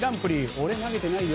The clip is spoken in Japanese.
俺、投げてないよ。